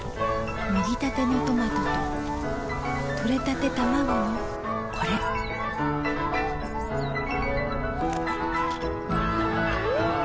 もぎたてのトマトととれたてたまごのこれん！